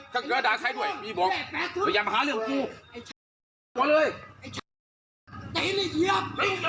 สุดดีมากมันก้าวนะ